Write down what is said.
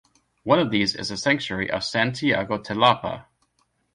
One of these is the Sanctuary of Santiago Tilapa.